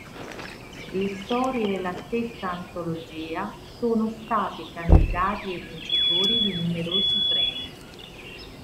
Le storie e la stessa antologia sono stati candidati e vincitori di numerosi premi.